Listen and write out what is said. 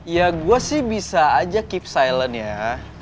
ya gue sih bisa aja keep silent ya